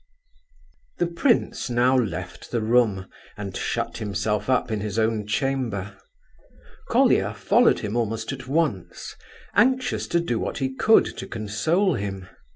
The prince now left the room and shut himself up in his own chamber. Colia followed him almost at once, anxious to do what he could to console him.